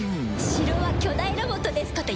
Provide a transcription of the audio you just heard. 城は巨大ロボットですことよ。